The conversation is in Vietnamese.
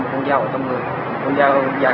ông đi một thời gian